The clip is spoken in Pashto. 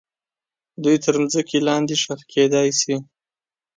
دوی تر مځکې لاندې ښخ کیدای سي.